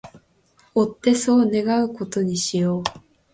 追ってそう願う事にしよう